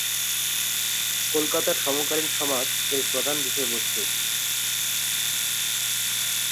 কলকাতার সমকালীন সমাজ এর প্রধান বিষয়বস্ত্ত।